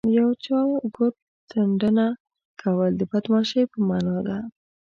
یو چاته ګوت څنډنه کول د بدماشۍ په مانا ده